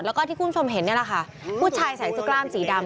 แล้วก็ที่คุณผู้ชมเห็นนี่แหละค่ะผู้ชายใส่เสื้อกล้ามสีดำ